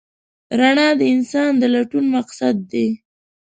رڼا د انسان د لټون مقصد دی.